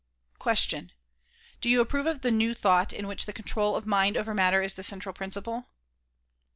'' Question: Do you approve of the "new thought" in which the control of mind over matter is the central principle?